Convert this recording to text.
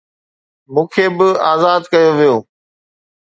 مون کي به آزاد ڪيو ويو